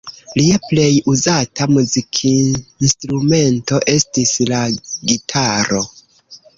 Lia plej uzata muzikinstrumento estis la gitaro.